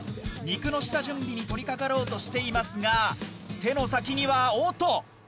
肉の下準備に取り掛かろうとしていますが手の先にはおっと。